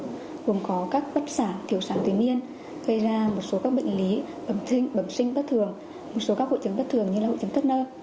gồm có các bất sản thiểu sản tuy miên gây ra một số các bệnh lý bẩm sinh bất thường một số các hội chứng bất thường như hội chứng tốc nơ